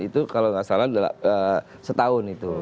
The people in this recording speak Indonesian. itu kalau nggak salah setahun itu